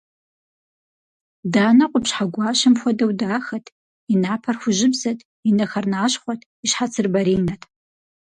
Данэ къупщхьэ гуащэм хуэдэу дахэт: и напэр хужьыбзэт, и нэхэр нащхъуэт, и щхьэцыр баринэт.